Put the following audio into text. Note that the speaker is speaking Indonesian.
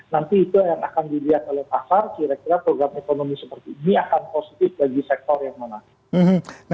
nanti itu yang akan dilihat oleh pasar kira kira program ekonomi seperti ini akan positif bagi sektor yang mana